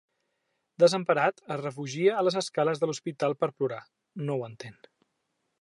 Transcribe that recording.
Desemparat, es refugia a les escales de l'hospital per plorar: no ho entén.